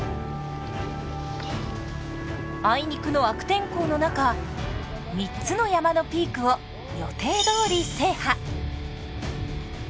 あいにくの悪天候の中３つの山のピークを予定どおり制覇。